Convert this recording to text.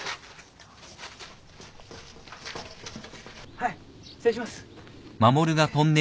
はい失礼します。